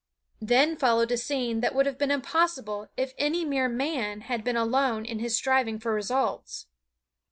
Then followed a scene that would have been impossible if any mere man had been alone in his striving for results.